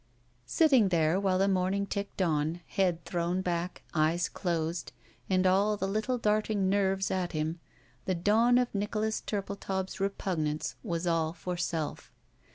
Sitting there while the morning ticked on, head thrown bade, eyes closed, and all the little darting nerves at him, the dawn of Nicholas Turldetaub's repugnance was all for self.